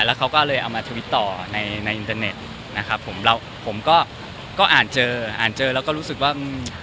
แล้วเขาก็เลยเอามาทวิตต่อในในอินเตอร์เน็ตนะครับผมแล้วผมก็ก็อ่านเจออ่านเจอแล้วก็รู้สึกว่าอืม